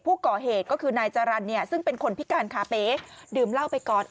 ผู้ก่อเหตุก็คือนายจรรย์เนี่ยซึ่งเป็นคนพิการขาเป๋ดื่มเหล้าไปก่อน